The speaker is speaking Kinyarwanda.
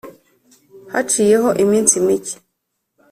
haciyeho iminsi mike,